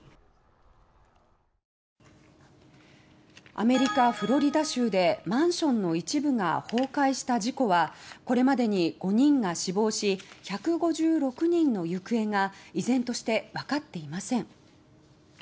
アメリカ・フロリダ州でマンションの一部が崩壊した事故はこれまでに５人が死亡し１５６人の行方が依然として分かっていません。